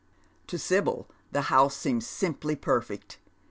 To Sibyl the house seems simply perfect.